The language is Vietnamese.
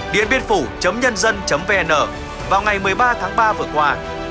điệnbiênphủ nhân vn vào ngày một mươi ba tháng ba vừa qua